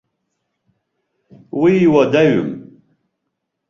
Уи уадаҩым.